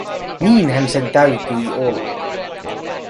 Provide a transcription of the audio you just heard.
Niinhän sen täytyi olla!